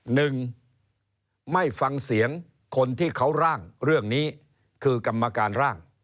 หนึ่งไม่ฟังเสียงคนที่เขาร่างเรื่องนี้คือกรรมการร่าง